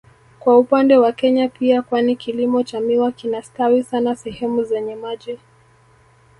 Kwa upande wa Kenya pia kwani kilimo cha miwa kinastawi sana sehemu zenye maji